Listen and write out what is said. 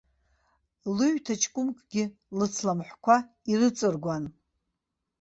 Лыҩҭаҷкәымкгьы лыцламҳәқәа ирыҵыргәан.